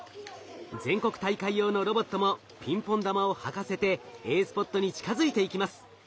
全国大会用のロボットもピンポン玉をはかせてＡスポットに近づいていきます。